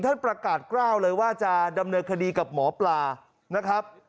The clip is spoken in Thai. ท่านประกาศกล้าวเลยว่าจะดำเนินคดีกับหมอปลานะครับ